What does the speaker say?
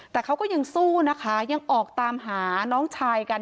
แต่เขาก็ยังสู้นะคะยังออกตามหาน้องชายกัน